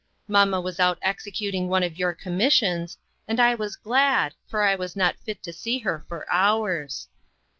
Mamma was out executing one of your commissions, and I was glad, for I was not fit to see her for hours.